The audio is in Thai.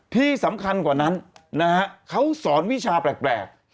ที่สำคัญกว่านั้นนะฮะเขาสอนวิชาแปลก